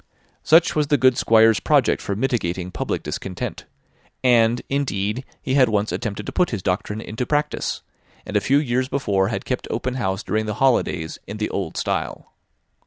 Such was the good Squire's project for mitigating public discontent; and, indeed, he had once attempted to put his doctrine in practice, and a few years before had kept open house during the holidays in the old style.